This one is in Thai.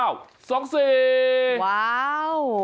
ว้าว